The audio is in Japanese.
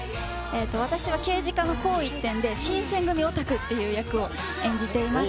私は刑事課の紅一点で、新撰組オタクっていう役を演じています。